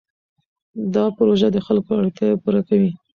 دا پروژه د خلکو اړتیا پوره کوي.